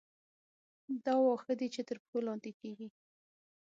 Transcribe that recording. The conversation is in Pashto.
دا واښه دي چې تر پښو لاندې کېږي.